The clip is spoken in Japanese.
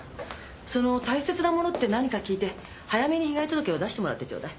その「大切なもの」って何か聞いて早めに被害届を出してもらってちょうだい。